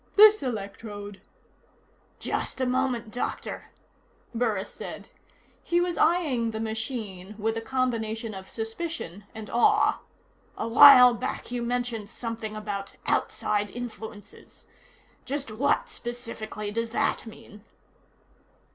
"This electrode " "Just a moment, Doctor," Burris said. He was eyeing the machine with a combination of suspicion and awe. "A while back you mentioned something about 'outside influences.' Just what, specifically, does that mean?"